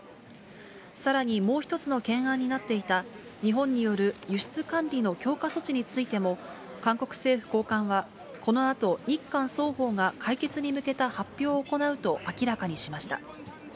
さらにもう１つの懸案になっていた日本による輸出管理の強化措置についても、韓国政府高官は、このあと日韓双方が解決に向けた発表を行うと明らかにしました。